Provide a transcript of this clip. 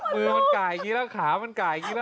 มือมันไก่อย่างนี้แล้วขามันไก่อย่างนี้แล้ว